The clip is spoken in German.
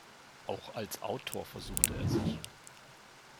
Auch als Autor versuchte er sich.